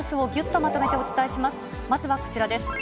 まずはこちらです。